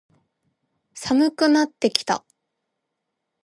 寒くなってきた。